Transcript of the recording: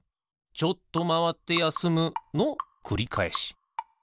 ちょっとまわってやすむのくりかえし。